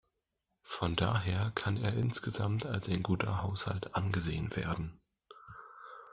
Von daher kann er insgesamt als ein guter Haushalt angesehen werden.